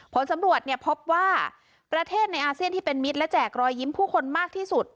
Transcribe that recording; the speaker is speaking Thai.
ผลสำรวจเนี่ยพบว่าประเทศในอาเซียนที่เป็นมิตรและแจกรอยยิ้มผู้คนมากที่สุด